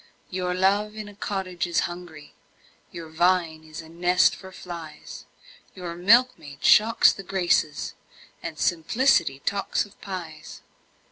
Your love in a cottage is hungry, Your vine is a nest for flies Your milkmaid shocks the Graces, And simplicity talks of pies!